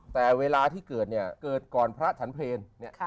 แต่เวลาที่เกิดเกิดก่อนพระถันเภณ